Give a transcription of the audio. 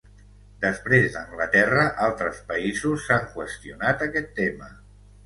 Després d'Anglaterra, altres països s'han qüestionat aquest tema.